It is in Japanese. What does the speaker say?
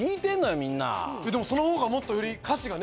みんなでもその方がもっとより歌詞がね